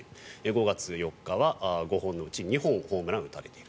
５月４日は５本のうち２本ホームランを打たれている。